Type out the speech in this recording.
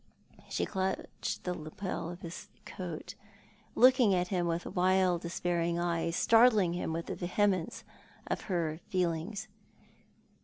She clutched the lapel of his coat, looking at him with wild, despairing eyes; startling him with the vehemence of her feelings.